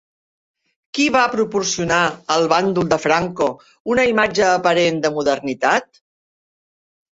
Qui va proporcionar al bàndol de Franco una imatge aparent de modernitat?